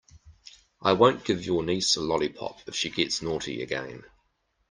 I won't give your niece a lollipop if she gets naughty again.